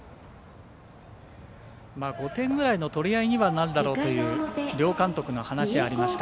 ５点ぐらいの取り合いにはなるだろうという両監督の話ありました。